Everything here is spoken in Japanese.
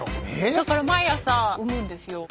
だから毎朝産むんですよ。